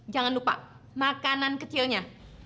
jangan lupa makanan kecilnya